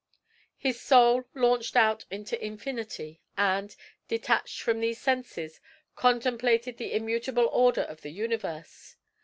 His soul launched out into infinity, and, detached from the senses, contemplated the immutable order of the universe.